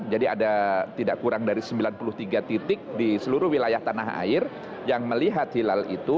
jadi ada tidak kurang dari sembilan puluh tiga titik di seluruh wilayah tanah air yang melihat hilal itu